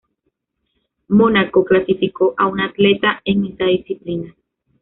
Mónaco clasificó a una atleta en esta disciplina.